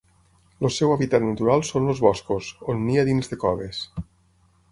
El seu hàbitat natural són els boscos, on nia dins de coves.